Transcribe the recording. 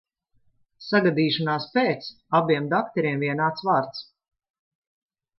Sagadīšanās pēc abiem dakteriem vienāds vārds.